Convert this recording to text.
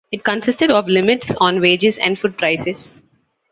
It consisted of limits on wages and food prices.